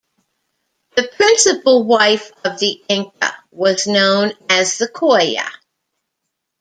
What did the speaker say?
The principal wife of the Inca was known as the Coya.